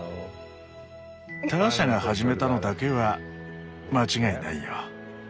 ターシャが始めたのだけは間違いないよ。